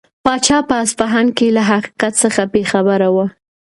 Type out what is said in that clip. پاچا په اصفهان کې له حقیقت څخه بې خبره و.